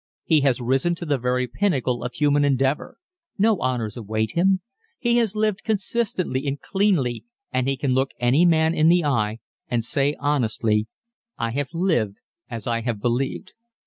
He has risen to the very pinnacle of human endeavor ... no honors await him. He has lived consistently and cleanly and he can look any man in the eye and say honestly: "_I have lived as I have believed.